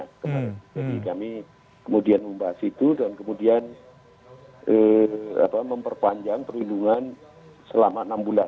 jadi kami kemudian membahas itu dan kemudian memperpanjang perlindungan selama enam bulan